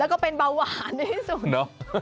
แล้วก็เป็นเบาหวานในที่สุด